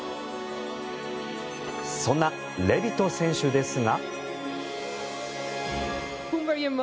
そんなレビト選手ですが。